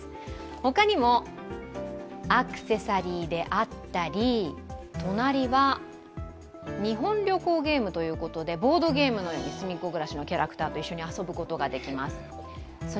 他にも、アクセサリーであったり隣は日本旅行ゲームということでボードゲームのようにすみっコぐらしと遊ぶことができます。